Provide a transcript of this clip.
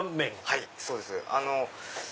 はいそうです。